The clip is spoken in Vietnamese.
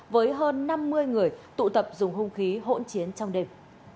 với hơn năm mươi người tụ tập dùng hung khí hỗn chiến trong đêm